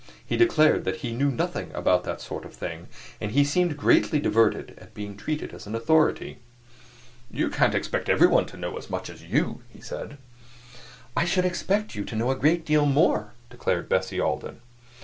He declared that he knew nothing about that sort of thing, and he seemed greatly diverted at being treated as an authority. "You can't expect everyone to know as much as you," he said. "I should expect you to know a great deal more," declared Bessie Alden.